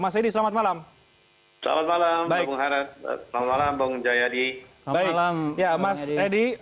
selamat malam mas edy